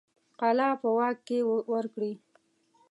قلعه په واک کې ورکړي.